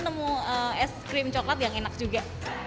nemu es krim coklat yang enak juga